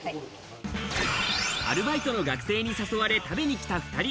アルバイトの学生に誘われ、食べに来た２人。